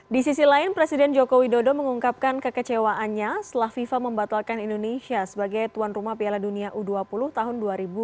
di sisi lain presiden joko widodo mengungkapkan kekecewaannya setelah fifa membatalkan indonesia sebagai tuan rumah piala dunia u dua puluh tahun dua ribu dua puluh